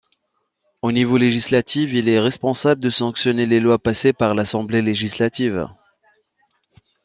Au niveau législatif, il est responsable de sanctionner les lois passées par l’Assemblée législative.